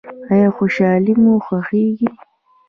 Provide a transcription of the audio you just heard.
ایا خوشحالي مو خوښیږي؟